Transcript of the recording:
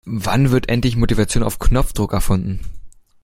Wann wird endlich Motivation auf Knopfdruck erfunden?